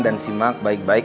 dan simak baik baik